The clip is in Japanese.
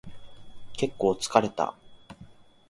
結構疲れた